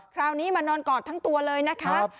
คราวนี้มานอนกอดทั้งตัวเลยนะคะ